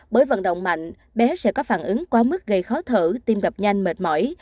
bởi vận động mạnh bé sẽ có phản ứng quá mức gây khó thở tim gặp nhanh mệt mỏi